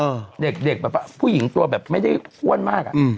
เด็กเด็กแบบผู้หญิงตัวแบบไม่ได้อ้วนมากอ่ะอืม